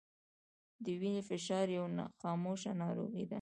د وینې فشار یوه خاموشه ناروغي ده